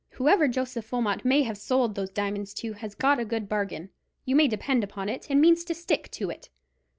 "Whoever Joseph Wilmot may have sold those diamonds to has got a good bargain, you may depend upon it, and means to stick to it.